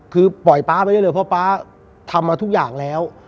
คือปล่อยป๊าไปได้เลยเพราะป๊าทำมาทุกอย่างแล้ว